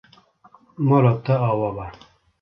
Mala te ava be.